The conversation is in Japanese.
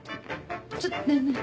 ちょっと。